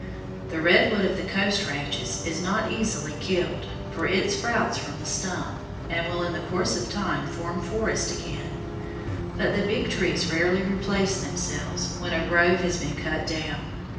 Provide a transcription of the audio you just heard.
The redwood of the Coast ranges is not easily killed, for it sprouts from the stump, and will in the course of time form forests again; but the Big Trees rarely replace themselves when a grove has been cut down.